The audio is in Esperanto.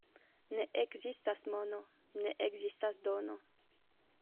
Ne ekzistas mono, ne ekzistas dono.